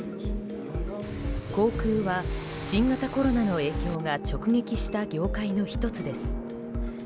航空は、新型コロナの影響が直撃した業界の１つです。